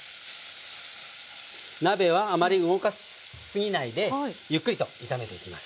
鍋はあまり動かし過ぎないでゆっくりと炒めていきます。